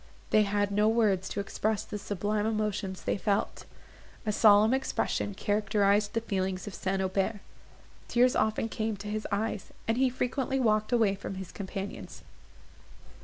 They had no words to express the sublime emotions they felt. A solemn expression characterised the feelings of St. Aubert; tears often came to his eyes, and he frequently walked away from his companions.